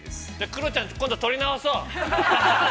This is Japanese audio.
◆クロちゃん、今度撮り直そう。